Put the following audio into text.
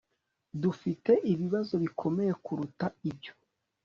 Dufite ibibazo bikomeye kuruta ibyo